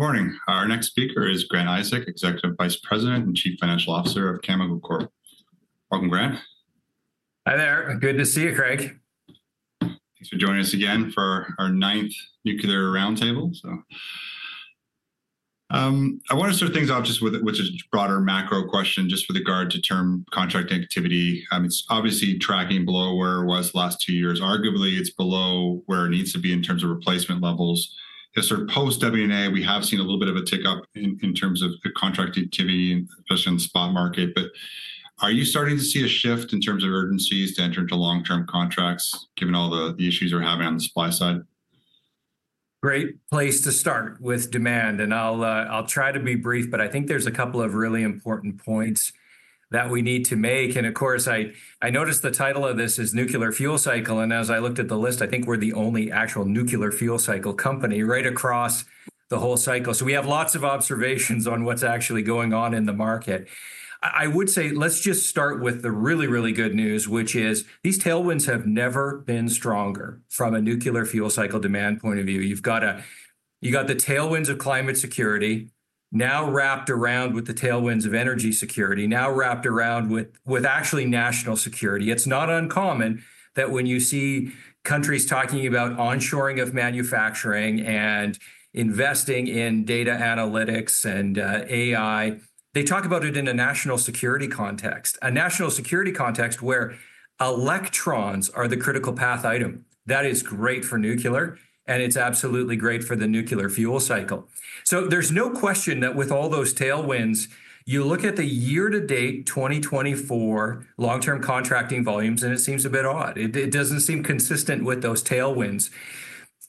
Good morning. Our next speaker is Grant Isaac, Executive Vice President and Chief Financial Officer of Cameco Corp. Welcome, Grant. Hi there. Good to see you, Craig. Thanks for joining us again for our ninth nuclear roundtable. I wanna start things off just with a just broader macro question just with regard to term contract activity. It's obviously tracking below where it was the last two years. Arguably, it's below where it needs to be in terms of replacement levels. Just sort of post-WNA, we have seen a little bit of a tick-up in terms of the contract activity, especially on the spot market. But are you starting to see a shift in terms of urgencies to enter into long-term contracts, given all the issues we're having on the supply side? Great place to start, with demand, and I'll, I'll try to be brief, but I think there's a couple of really important points that we need to make. Of course, I noticed the title of this is Nuclear Fuel Cycle, and as I looked at the list, I think we're the only actual nuclear fuel cycle company right across the whole cycle. So we have lots of observations on what's actually going on in the market. I would say, let's just start with the really, really good news, which is these tailwinds have never been stronger from a nuclear fuel cycle demand point of view. You've got the tailwinds of climate security now wrapped around with the tailwinds of energy security, now wrapped around with actually national security. It's not uncommon that when you see countries talking about onshoring of manufacturing and investing in data analytics and AI, they talk about it in a national security context, a national security context where electrons are the critical path item. That is great for nuclear, and it's absolutely great for the nuclear fuel cycle. So there's no question that with all those tailwinds, you look at the year-to-date 2024 long-term contracting volumes, and it seems a bit odd. It, it doesn't seem consistent with those tailwinds.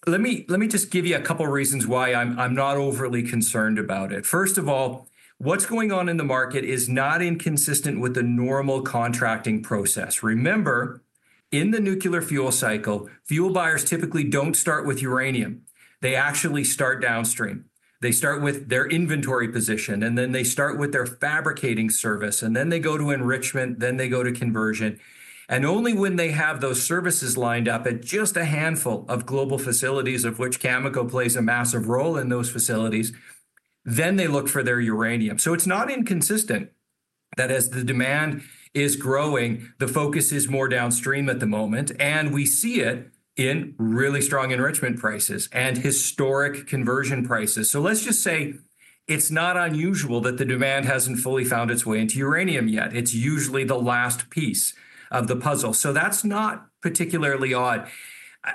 Let me, let me just give you a couple reasons why I'm, I'm not overly concerned about it. First of all, what's going on in the market is not inconsistent with the normal contracting process. Remember, in the nuclear fuel cycle, fuel buyers typically don't start with uranium. They actually start downstream. They start with their inventory position, and then they start with their fabricating service, and then they go to enrichment, then they go to conversion, and only when they have those services lined up at just a handful of global facilities, of which Cameco plays a massive role in those facilities, then they look for their uranium, so it's not inconsistent that as the demand is growing, the focus is more downstream at the moment, and we see it in really strong enrichment prices and historic conversion prices, so let's just say it's not unusual that the demand hasn't fully found its way into uranium yet. It's usually the last piece of the puzzle, so that's not particularly odd.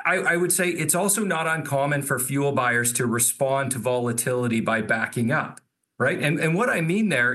I would say it's also not uncommon for fuel buyers to respond to volatility by backing up, right? What I mean there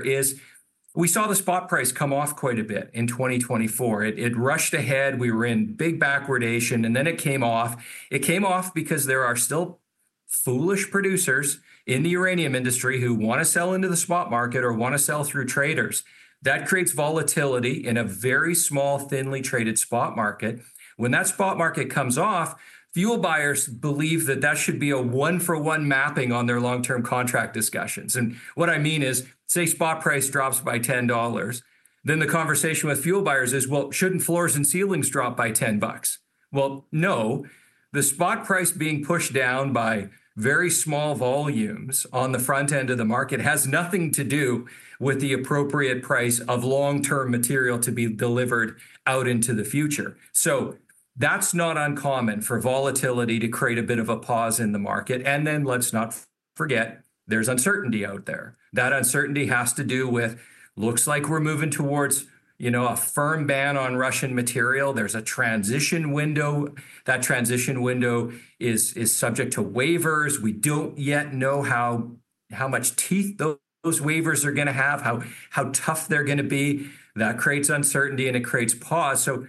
is, we saw the spot price come off quite a bit in 2024. It rushed ahead, we were in big backwardation, and then it came off. It came off because there are still foolish producers in the uranium industry who want to sell into the spot market or want to sell through traders. That creates volatility in a very small, thinly traded spot market. When that spot market comes off, fuel buyers believe that that should be a one-for-one mapping on their long-term contract discussions. And what I mean is, say spot price drops by ten dollars, then the conversation with fuel buyers is, "Well, shouldn't floors and ceilings drop by ten bucks?" Well, no, the spot price being pushed down by very small volumes on the front end of the market has nothing to do with the appropriate price of long-term material to be delivered out into the future. So that's not uncommon for volatility to create a bit of a pause in the market, and then let's not forget, there's uncertainty out there. That uncertainty has to do with looks like we're moving towards, you know, a firm ban on Russian material. There's a transition window. That transition window is subject to waivers. We don't yet know how much teeth those waivers are gonna have, how tough they're gonna be. That creates uncertainty, and it creates pause. So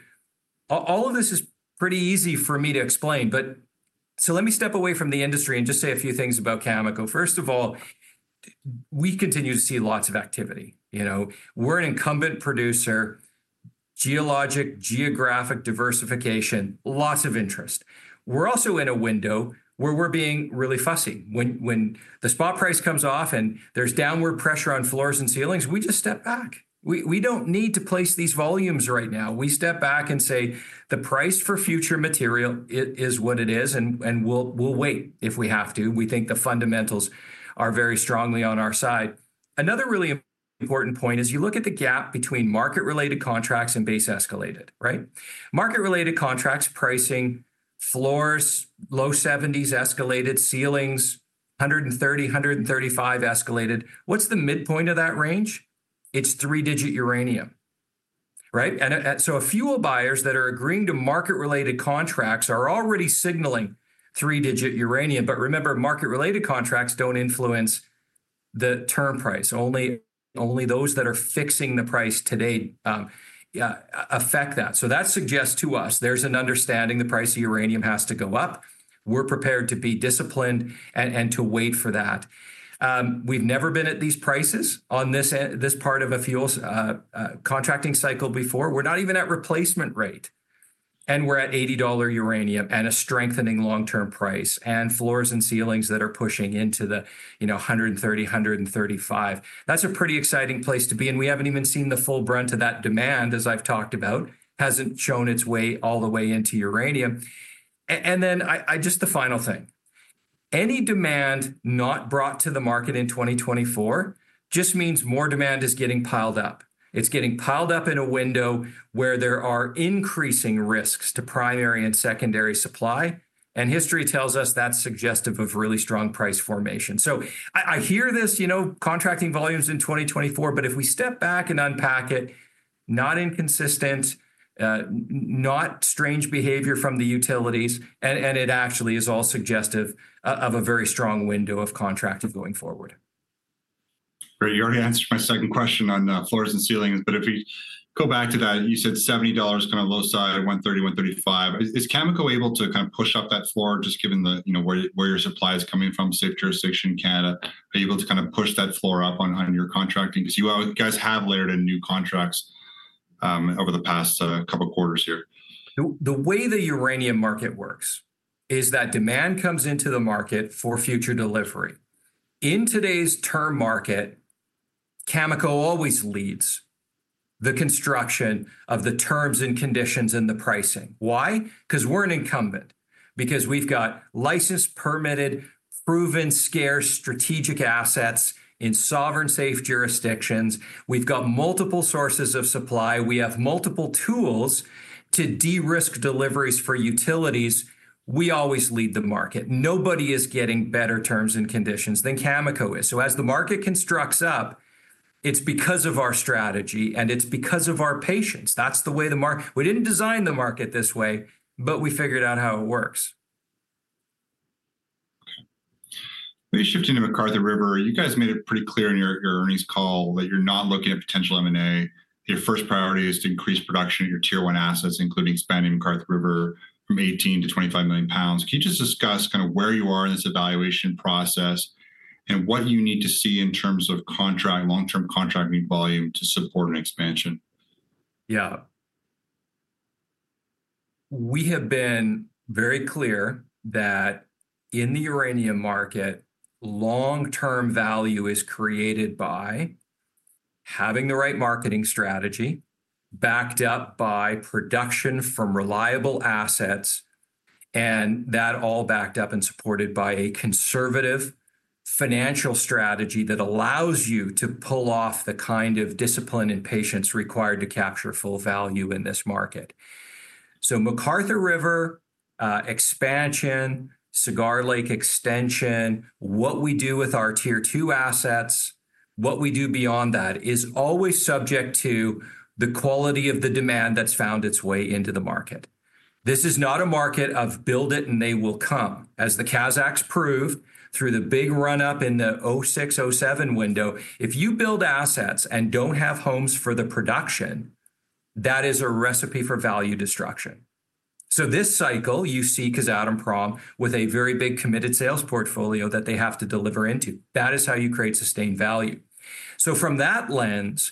all of this is pretty easy for me to explain, but. So let me step away from the industry and just say a few things about Cameco. First of all, we continue to see lots of activity. You know, we're an incumbent producer, geologic, geographic diversification, lots of interest. We're also in a window where we're being really fussy. When the spot price comes off and there's downward pressure on floors and ceilings, we just step back. We don't need to place these volumes right now. We step back and say, "The price for future material is what it is, and we'll wait if we have to." We think the fundamentals are very strongly on our side. Another really important point is you look at the gap between market-related contracts and base escalated, right? Market-related contracts, pricing, floors, low $70s, escalated ceilings, $130, $135 escalated. What's the midpoint of that range? It's three-digit uranium, right? And so fuel buyers that are agreeing to market-related contracts are already signaling three-digit uranium. But remember, market-related contracts don't influence the term price. Only those that are fixing the price today affect that. So that suggests to us there's an understanding the price of uranium has to go up. We're prepared to be disciplined and to wait for that. We've never been at these prices on this part of a fuel cycle contracting cycle before. We're not even at replacement rate, and we're at $80 uranium and a strengthening long-term price, and floors and ceilings that are pushing into the, you know, $130, $135. That's a pretty exciting place to be, and we haven't even seen the full brunt of that demand, as I've talked about, hasn't shown its way all the way into uranium. And then just the final thing. Any demand not brought to the market in twenty twenty-four just means more demand is getting piled up. It's getting piled up in a window where there are increasing risks to primary and secondary supply, and history tells us that's suggestive of really strong price formation. So I hear this, you know, contracting volumes in twenty twenty-four, but if we step back and unpack it, not inconsistent, not strange behavior from the utilities, and it actually is all suggestive of a very strong window of contracting going forward. Great. You already answered my second question on floors and ceilings, but if we go back to that, you said $70 kind of low side, $130-$135. Is Cameco able to kind of push up that floor, just given the, you know, where your supply is coming from, safe jurisdiction Canada, are you able to kind of push that floor up on your contracting? Because you guys have layered in new contracts over the past couple quarters here. The way the uranium market works is that demand comes into the market for future delivery. In today's term market, Cameco always leads the construction of the terms and conditions and the pricing. Why? Because we're an incumbent. Because we've got licensed, permitted, proven scarce strategic assets in sovereign safe jurisdictions. We've got multiple sources of supply. We have multiple tools to de-risk deliveries for utilities. We always lead the market. Nobody is getting better terms and conditions than Cameco is. So as the market constructs up, it's because of our strategy, and it's because of our patience. That's the way we didn't design the market this way, but we figured out how it works. Let me shift into McArthur River. You guys made it pretty clear in your earnings call that you're not looking at potential M&A. Your first priority is to increase production of your Tier One assets, including expanding McArthur River from 18 to 25 million pounds. Can you just discuss kind of where you are in this evaluation process, and what you need to see in terms of contract, long-term contracting volume to support an expansion? Yeah. We have been very clear that in the uranium market, long-term value is created by having the right marketing strategy, backed up by production from reliable assets, and that all backed up and supported by a conservative financial strategy that allows you to pull off the kind of discipline and patience required to capture full value in this market. So McArthur River expansion, Cigar Lake extension, what we do with our Tier Two assets, what we do beyond that is always subject to the quality of the demand that's found its way into the market. This is not a market of build it, and they will come. As the Kazakhs proved through the big run-up in the 2006, 2007 window, if you build assets and don't have homes for the production, that is a recipe for value destruction. So this cycle, you see Kazatomprom with a very big committed sales portfolio that they have to deliver into. That is how you create sustained value. So from that lens,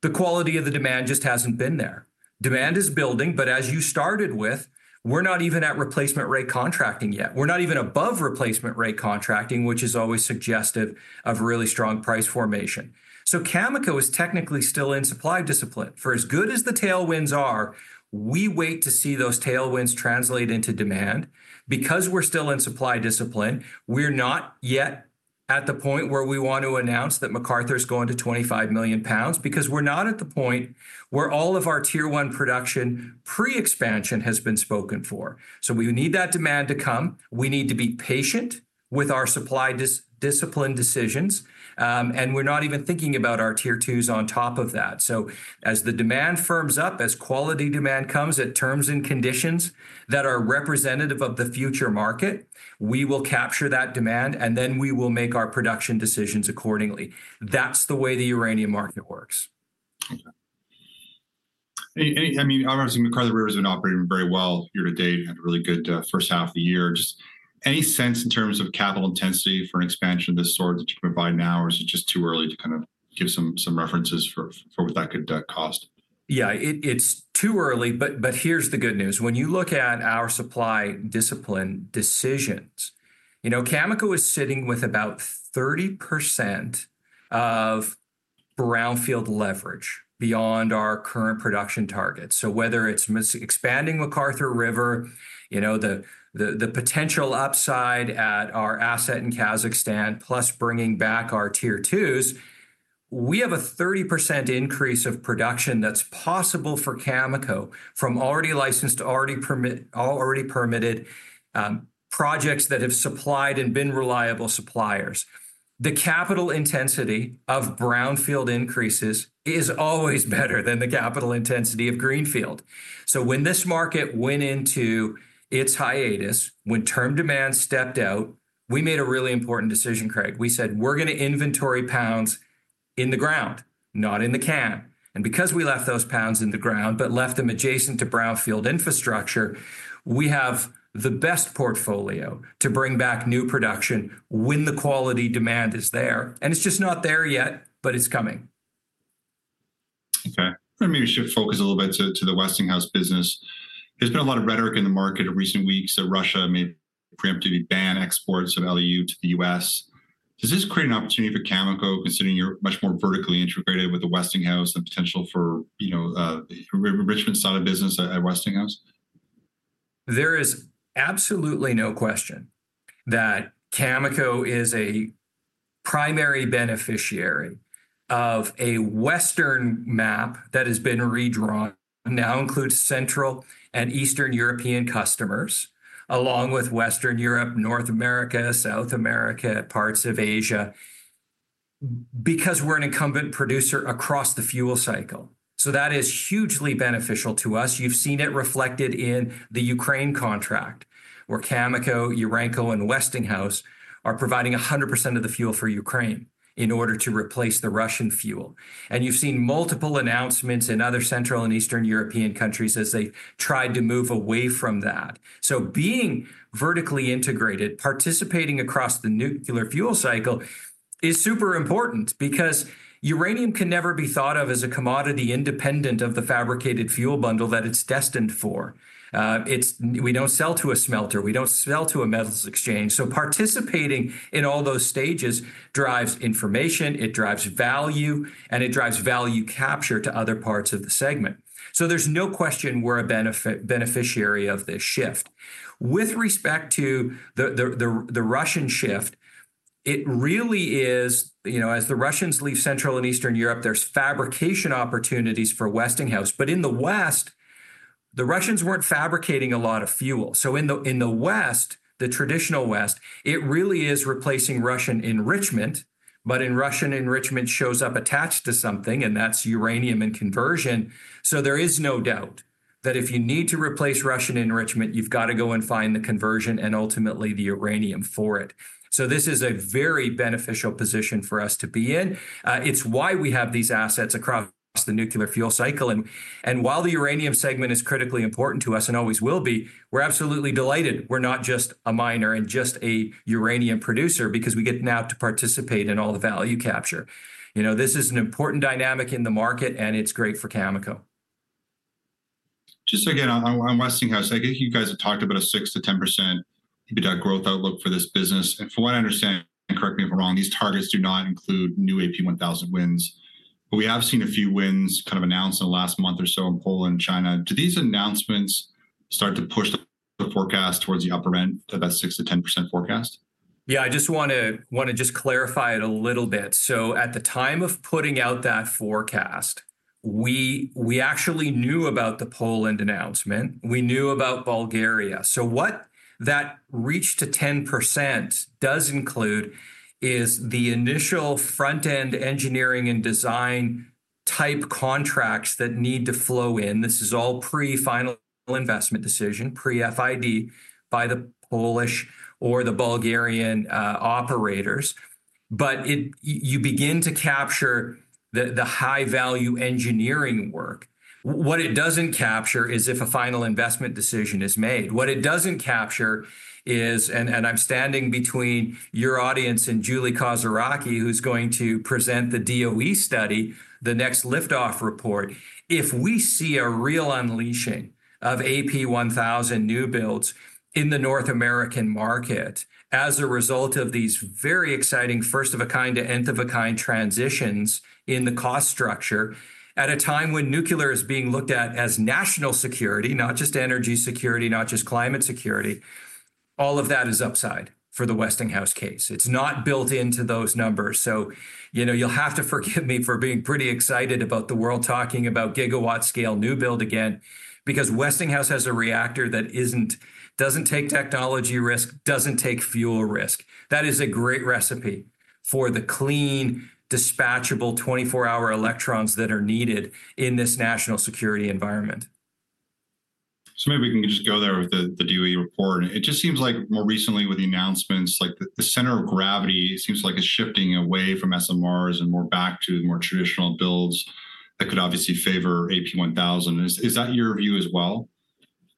the quality of the demand just hasn't been there. Demand is building, but as you started with, we're not even at replacement rate contracting yet. We're not even above replacement rate contracting, which is always suggestive of really strong price formation. So Cameco is technically still in supply discipline. For as good as the tailwinds are, we wait to see those tailwinds translate into demand. Because we're still in supply discipline, we're not yet at the point where we want to announce that McArthur's going to twenty-five million pounds, because we're not at the point where all of our Tier One production pre-expansion has been spoken for. So we need that demand to come. We need to be patient with our supply discipline decisions, and we're not even thinking about our Tier Twos on top of that. So as the demand firms up, as quality demand comes at terms and conditions that are representative of the future market, we will capture that demand, and then we will make our production decisions accordingly. That's the way the uranium market works. Okay. I mean, obviously, McArthur River has been operating very well year to date, had a really good first half of the year. Just any sense in terms of capital intensity for an expansion of this sort that you can provide now, or is it just too early to kind of give some references for what that could cost? Yeah, it's too early, but here's the good news. When you look at our supply discipline decisions, you know, Cameco is sitting with about 30% of brownfield leverage beyond our current production target. So whether it's expanding McArthur River, you know, the potential upside at our asset in Kazakhstan, plus bringing back our Tier Twos, we have a 30% increase of production that's possible for Cameco from already licensed to already permitted projects that have supplied and been reliable suppliers. The capital intensity of brownfield increases is always better than the capital intensity of greenfield. So when this market went into its hiatus, when term demand stepped out, we made a really important decision, Craig. We said: "We're gonna inventory pounds in the ground, not in the can," and because we left those pounds in the ground but left them adjacent to brownfield infrastructure, we have the best portfolio to bring back new production when the quantity demand is there, and it's just not there yet, but it's coming. Okay. Let me shift focus a little bit to the Westinghouse business. There's been a lot of rhetoric in the market in recent weeks that Russia may preemptively ban exports of LEU to the U.S. Does this create an opportunity for Cameco, considering you're much more vertically integrated with the Westinghouse and potential for, you know, enrichment side of business at Westinghouse? There is absolutely no question that Cameco is a primary beneficiary of a Western map that has been redrawn and now includes Central and Eastern European customers, along with Western Europe, North America, South America, parts of Asia, because we're an incumbent producer across the fuel cycle. So that is hugely beneficial to us. You've seen it reflected in the Ukraine contract, where Cameco, Urenco, and Westinghouse are providing 100% of the fuel for Ukraine in order to replace the Russian fuel. And you've seen multiple announcements in other Central and Eastern European countries as they've tried to move away from that. So being vertically integrated, participating across the nuclear fuel cycle is super important because uranium can never be thought of as a commodity independent of the fabricated fuel bundle that it's destined for. It's we don't sell to a smelter, we don't sell to a metals exchange. So participating in all those stages drives information, it drives value, and it drives value capture to other parts of the segment. So there's no question we're a beneficiary of this shift. With respect to the Russian shift, it really is, you know, as the Russians leave Central and Eastern Europe, there's fabrication opportunities for Westinghouse. But in the West, the Russians weren't fabricating a lot of fuel. So in the West, the traditional West, it really is replacing Russian enrichment, but Russian enrichment shows up attached to something, and that's uranium and conversion. So there is no doubt that if you need to replace Russian enrichment, you've got to go and find the conversion and ultimately the uranium for it. So this is a very beneficial position for us to be in. It's why we have these assets across the nuclear fuel cycle, and while the uranium segment is critically important to us and always will be, we're absolutely delighted we're not just a miner and just a uranium producer because we get now to participate in all the value capture. You know, this is an important dynamic in the market, and it's great for Cameco. Just again, on, on Westinghouse, I think you guys have talked about a 6-10% EBITDA growth outlook for this business. And from what I understand, and correct me if I'm wrong, these targets do not include new AP1000 wins. But we have seen a few wins kind of announced in the last month or so in Poland, China. Do these announcements start to push the forecast towards the upper end, to that 6-10% forecast? Yeah, I just want to just clarify it a little bit. So at the time of putting out that forecast, we actually knew about the Poland announcement, we knew about Bulgaria. So what that reach to 10% does include is the initial front-end engineering and design type contracts that need to flow in. This is all pre-final investment decision, pre-FID, by the Polish or the Bulgarian operators. But it you begin to capture the high-value engineering work. What it doesn't capture is if a final investment decision is made. What it doesn't capture is and I'm standing between your audience and Julie Kozeracki, who's going to present the DOE study, the next Liftoff Report. If we see a real unleashing of AP1000 new builds in the North American market as a result of these very exciting first-of-a-kind to nth-of-a-kind transitions in the cost structure, at a time when nuclear is being looked at as national security, not just energy security, not just climate security, all of that is upside for the Westinghouse case. It's not built into those numbers, so, you know, you'll have to forgive me for being pretty excited about the world talking about gigawatt-scale new build again, because Westinghouse has a reactor that doesn't take technology risk, doesn't take fuel risk. That is a great recipe for the clean, dispatchable twenty-four-hour electrons that are needed in this national security environment. So maybe we can just go there with the DOE report. It just seems like more recently with the announcements, like, the center of gravity seems like it's shifting away from SMRs and more back to the more traditional builds that could obviously favor AP1000. Is that your view as well?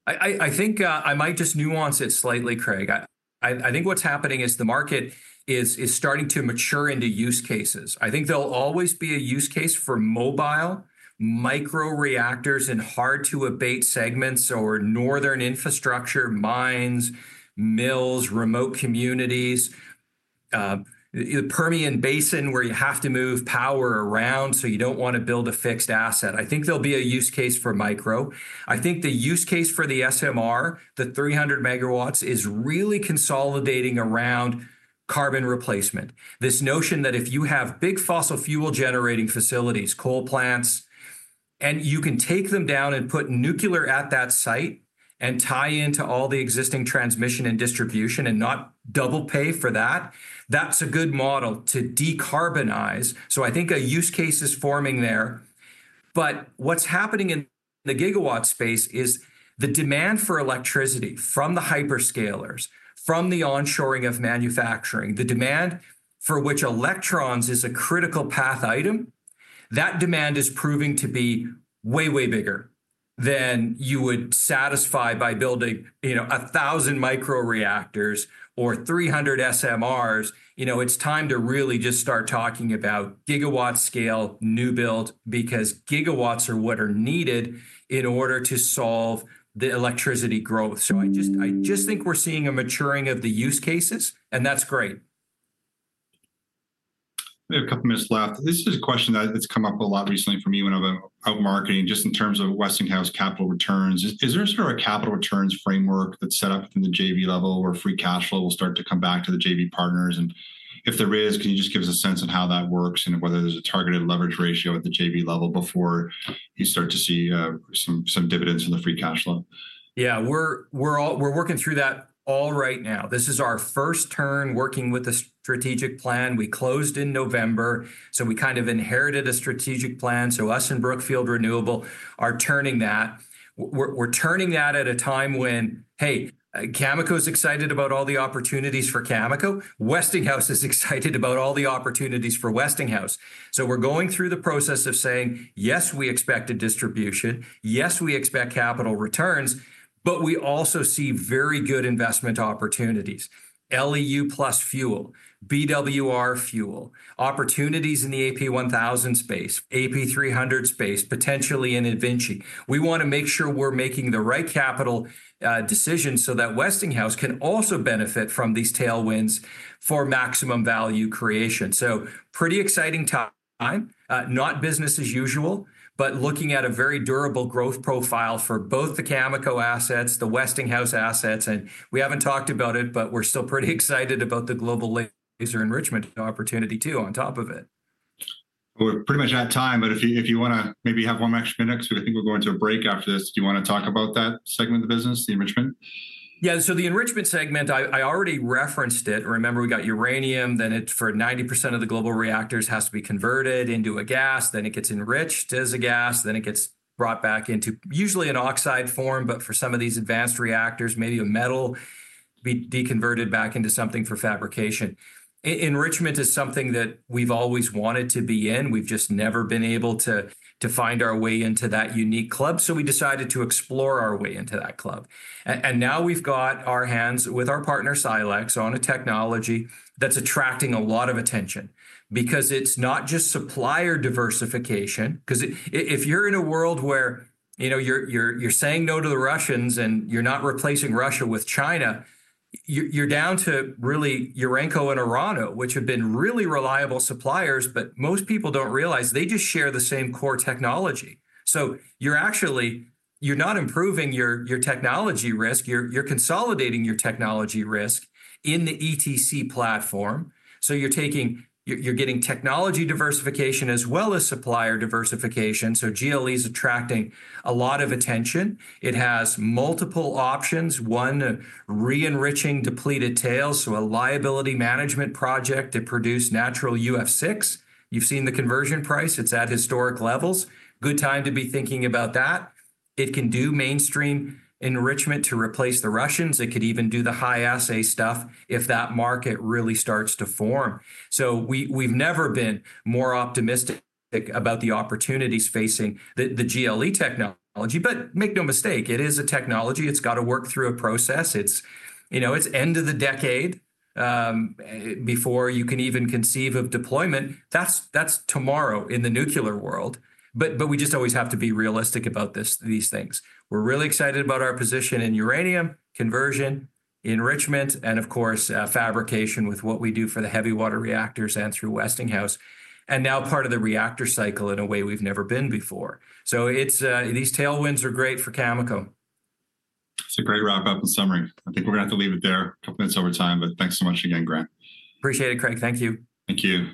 I think I might just nuance it slightly, Craig. I think what's happening is the market is starting to mature into use cases. I think there'll always be a use case for mobile microreactors in hard-to-abate segments or northern infrastructure, mines, mills, remote communities, the Permian Basin, where you have to move power around, so you don't want to build a fixed asset. I think there'll be a use case for micro. I think the use case for the SMR, the three hundred megawatts, is really consolidating around carbon replacement. This notion that if you have big fossil fuel-generating facilities, coal plants, and you can take them down and put nuclear at that site and tie into all the existing transmission and distribution and not double pay for that, that's a good model to decarbonize. So I think a use case is forming there. But what's happening in the gigawatt space is the demand for electricity from the hyperscalers, from the on-shoring of manufacturing, the demand for which electrons is a critical path item, that demand is proving to be way, way bigger than you would satisfy by building, you know, 1,000 microreactors or 300 SMRs. You know, it's time to really just start talking about gigawatt-scale new build, because gigawatts are what are needed in order to solve the electricity growth. So I just think we're seeing a maturing of the use cases, and that's great. ... We have a couple minutes left. This is a question that has come up a lot recently from you and about our marketing, just in terms of Westinghouse capital returns. Is there sort of a capital returns framework that's set up from the JV level, where free cash flow will start to come back to the JV partners? And if there is, can you just give us a sense of how that works and whether there's a targeted leverage ratio at the JV level before you start to see some dividends in the free cash flow? Yeah, we're working through that all right now. This is our first turn working with a strategic plan. We closed in November, so we kind of inherited a strategic plan, so us and Brookfield Renewable are turning that. We're turning that at a time when Cameco's excited about all the opportunities for Cameco, Westinghouse is excited about all the opportunities for Westinghouse. So we're going through the process of saying, "Yes, we expect a distribution. Yes, we expect capital returns," but we also see very good investment opportunities. LEU+ fuel, BWR fuel, opportunities in the AP1000 space, AP300 space, potentially in eVinci. We wanna make sure we're making the right capital decisions so that Westinghouse can also benefit from these tailwinds for maximum value creation. So pretty exciting time. Not business as usual, but looking at a very durable growth profile for both the Cameco assets, the Westinghouse assets, and we haven't talked about it, but we're still pretty excited about the Global Laser Enrichment opportunity, too, on top of it. We're pretty much out of time, but if you, if you wanna maybe have one extra minute, because I think we'll go into a break after this. Do you wanna talk about that segment of the business, the enrichment? Yeah, so the enrichment segment, I already referenced it. Remember, we got uranium, then it for 90% of the global reactors has to be converted into a gas, then it gets enriched as a gas, then it gets brought back into usually an oxide form, but for some of these advanced reactors, maybe a metal, be deconverted back into something for fabrication. Enrichment is something that we've always wanted to be in. We've just never been able to find our way into that unique club, so we decided to explore our way into that club. Now we've got our hands with our partner, Silex, on a technology that's attracting a lot of attention because it's not just supplier diversification, 'cause if you're in a world where, you know, you're saying no to the Russians, and you're not replacing Russia with China, you're down to really Urenco and Orano, which have been really reliable suppliers, but most people don't realize they just share the same core technology. So you're actually not improving your technology risk, you're consolidating your technology risk in the ETC platform. So you're getting technology diversification as well as supplier diversification, so GLE is attracting a lot of attention. It has multiple options. One, re-enriching depleted tails, so a liability management project to produce natural UF6. You've seen the conversion price, it's at historic levels. Good time to be thinking about that. It can do mainstream enrichment to replace the Russians. It could even do the high assay stuff if that market really starts to form. So we've never been more optimistic about the opportunities facing the GLE technology. But make no mistake, it is a technology. It's got to work through a process. It's, you know, it's end of the decade before you can even conceive of deployment. That's tomorrow in the nuclear world, but we just always have to be realistic about this, these things. We're really excited about our position in uranium, conversion, enrichment, and of course, fabrication with what we do for the heavy water reactors and through Westinghouse, and now part of the reactor cycle in a way we've never been before. So it's these tailwinds are great for Cameco. It's a great wrap-up and summary. I think we're gonna have to leave it there, a couple minutes over time, but thanks so much again, Grant. Appreciate it, Craig. Thank you. Thank you.